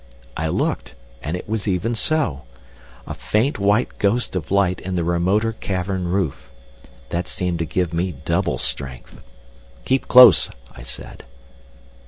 I looked, and it was even so; a faint white ghost of light in the remoter cavern roof. That seemed to give me double strength. "Keep close," I said.